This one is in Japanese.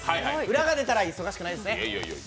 裏が出たら忙しくないです。